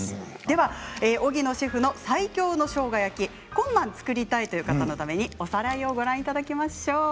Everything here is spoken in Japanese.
では荻野シェフの最強のしょうが焼き今晩作りたいという方のためにおさらいをご覧いただきましょう。